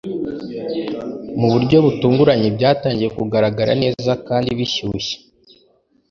Mu buryo butunguranye byatangiye kugaragara neza kandi bishyushye